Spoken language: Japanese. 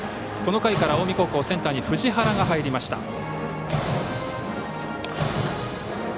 この回から近江高校センターに藤原が入りました。